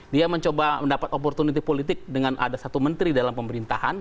dia mencoba mendapat opportunity politik dengan ada satu menteri dalam pemerintahan